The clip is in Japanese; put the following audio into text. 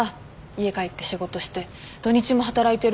家帰って仕事して土日も働いてるんだもん。